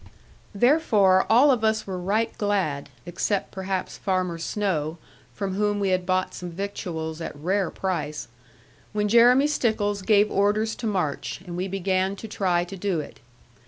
Therefore all of us were right glad (except perhaps Farmer Snowe, from whom we had bought some victuals at rare price), when Jeremy Stickles gave orders to march, and we began to try to do it.